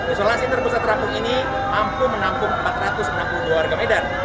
isolasi terpusat rampung ini mampu menampung empat ratus enam puluh dua warga medan